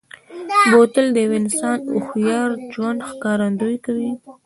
بوتل د یوه انسان هوښیار ژوند ښکارندوي کوي.